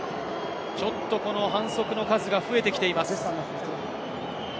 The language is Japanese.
ちょっと反則の数が増えてきています。